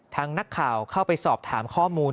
นักข่าวเข้าไปสอบถามข้อมูล